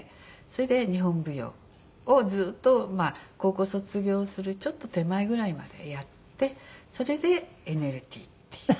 それで日本舞踊をずっと高校卒業するちょっと手前ぐらいまでやってそれでＮＬＴっていう。